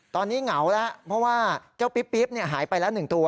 ตอนนี้เหงาแล้วเพราะว่าเจ้าปิ๊บหายไปแล้ว๑ตัว